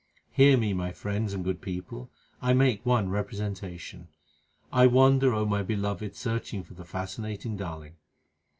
Hear me, my friends, and good people, I make one repre sentation I wander, O my beloved, searching for the fascinating Darling.